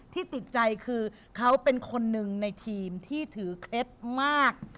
ที่ติดใจคือเขาเป็นคนหนึ่งในทีมที่ถือเคล็ดมาก